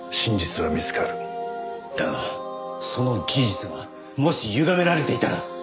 だがその事実がもしゆがめられていたら。